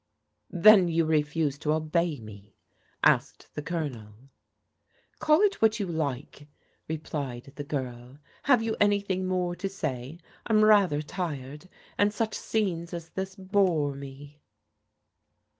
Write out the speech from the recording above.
" Then you refuse to obey me? " asked the O)lonel. " Call it what you like," replied the girl. *' Have you anything more to say ? I'm rather tired, and such scenes as this bore me."